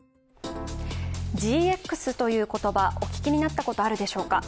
ＧＸという言葉、お聞きになったこと、あるでしょうか。